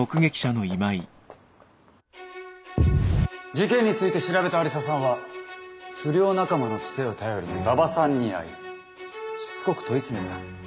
事件について調べた愛理沙さんは不良仲間のツテを頼りに馬場さんに会いしつこく問い詰めた。